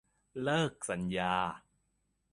เลิกสัญญา